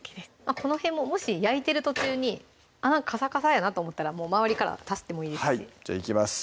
この辺ももし焼いてる途中にカサカサやなと思ったらもう周りから足してもいいですしはいじゃあいきます